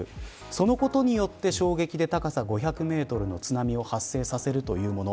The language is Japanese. そのことによって衝撃で高さ５００メートルの津波を発生させるというもの。